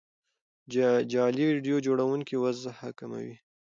جعلي ویډیو جوړونکي وضوح کموي.